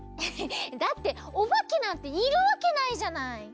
だっておばけなんているわけないじゃない。